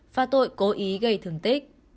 phá tội cố ý gây thương tích